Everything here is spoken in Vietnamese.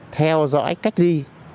theo dõi cách ly